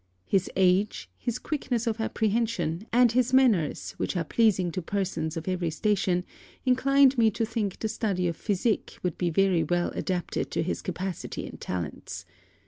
His age, his quickness of apprehension, and his manners which are pleasing to persons of every station, inclined me to think the study of physic would be well adapted to his capacity and talents.